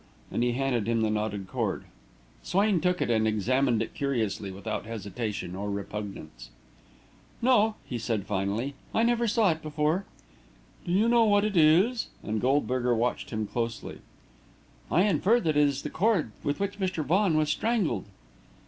and he handed him the knotted cord. Swain took it and examined it curiously, without hesitation or repugnance. "No," he answered, finally, "I never saw it before." "Do you know what it is?" and Goldberger watched him closely. "I infer that it is the cord with which Mr. Vaughan was strangled."